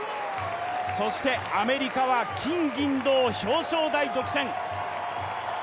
そしてアメリカは金・銀・銅、表彰台独占。